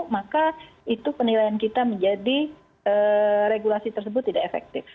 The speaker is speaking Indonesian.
maka itu penilaian kita menjadi regulasi tersebut tidak efektif